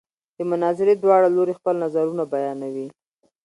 د مناظرې دواړه لوري خپل نظرونه بیانوي.